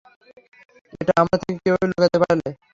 এটা আমার থেকে কীভাবে লুকাতে পারলে?